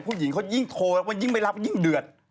ผู้หญิงเขายิ่งโทรว่ายิ่งไม่รับยิ่งเดือด